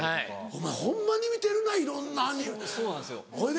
お前ホンマに見てるないろんなほいで？